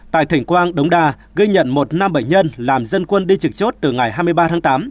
tại thỉnh quang đống đa ghi nhận một nam bệnh nhân làm dân quân đi trực chốt từ ngày hai mươi ba tháng tám